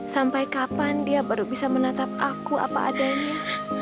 sampai kapan dia baru bisa menatap aku apa adanya